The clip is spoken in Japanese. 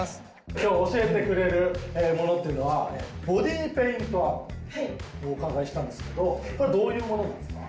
今日教えてくれるものっていうのはボディーペイントアート？とお伺いしたんですけどこれはどういうものなんですか？